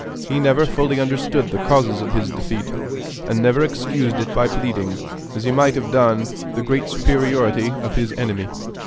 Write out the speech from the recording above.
He never fully understood the causes of his defeat, and never excused it by pleading, as he might have done, the great superiority of his enemy.